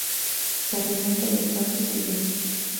Se alimentan de pasto y hierbas.